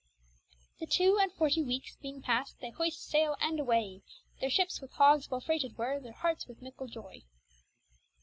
The two and forty weekes being past, they hoyst sayle and away; Their ships with hogges well freighted were, their harts with mickle joy.